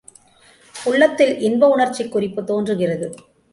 உள்ளத்தில் இன்ப உணர்ச்சிக் குறிப்பு தோன்றுகிறது.